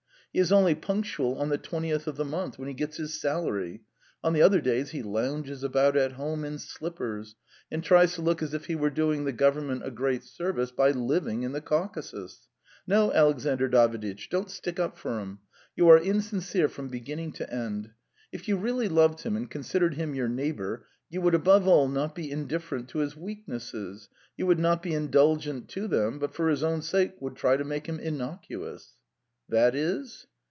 He is only punctual on the 20th of the month, when he gets his salary; on the other days he lounges about at home in slippers and tries to look as if he were doing the Government a great service by living in the Caucasus. No, Alexandr Daviditch, don't stick up for him. You are insincere from beginning to end. If you really loved him and considered him your neighbour, you would above all not be indifferent to his weaknesses, you would not be indulgent to them, but for his own sake would try to make him innocuous." "That is?"